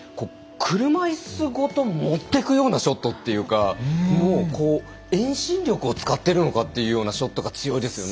車いすごと持っていくようなショットというか遠心力を使っているのかというショットが強いですよね。